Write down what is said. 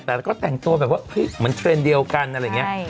แต่ก็แต่งตัวแบบว่าเหมือนเทรนด์เดียวกันอะไรอย่างนี้